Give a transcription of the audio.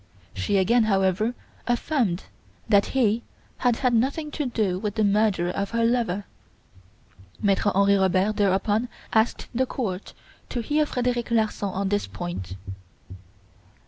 She again, however, affirmed that he had had nothing to do with the murder of her lover. Maitre Henri Robert thereupon asked the court to hear Frederic Larsan on this point.